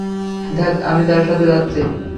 ধ্যাৎ আমি তার সাথে যাচ্ছি।